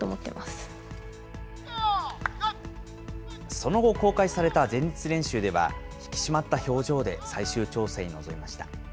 その後、公開された前日練習では、引き締まった表情で最終調整に臨みました。